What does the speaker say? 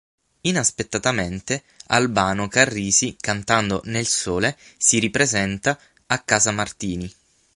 Inaspettatamente Albano Carrisi, cantando Nel Sole, si ripresenta a Casa Martini.